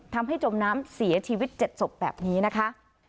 ทำให้จมน้ำเสียชีวิตเจ็ดศพแบบนี้นะคะ